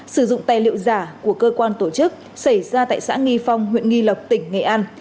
sử dụng tài liệu giả của cơ quan tổ chức xảy ra tại xã nghi phong huyện nghi lộc tỉnh nghệ an